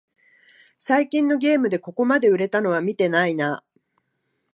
最近のゲームでここまで売れたのは見てないな